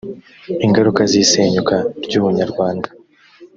ingaruka z isenyuka ry ubunyarwanda